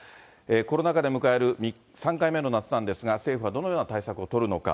コロナ禍で迎える３回目の夏なんですが、政府はどのような対策を取るのか。